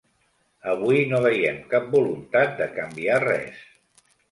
Avui no veiem cap voluntat de canviar res.